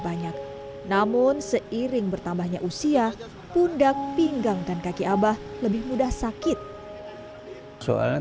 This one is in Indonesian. banyak namun seiring bertambahnya usia pundak pinggang dan kaki abah lebih mudah sakit soalnya